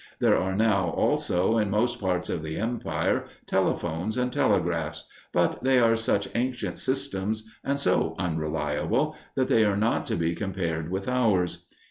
There are now, also, in most parts of the empire, telephones and telegraphs; but they are such ancient systems and so unreliable that they are not to be compared with ours.